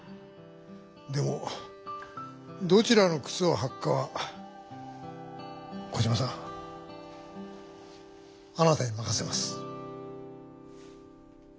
でもどちらのくつをはくかはコジマさんあなたに任せます。